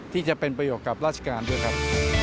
ที่จะเป็นประโยชน์กับราชการด้วยครับ